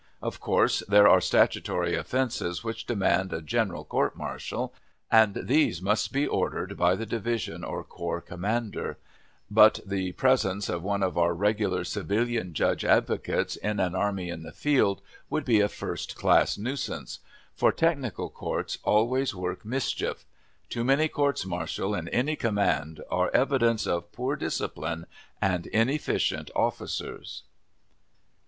Of course, there are statutory offenses which demand a general court martial, and these must be ordered by the division or corps commander; but, the presence of one of our regular civilian judge advocates in an army in the field would be a first class nuisance, for technical courts always work mischief. Too many courts martial in any command are evidence of poor discipline and inefficient officers.